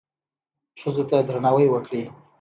ښځو ته درناوی وکړئ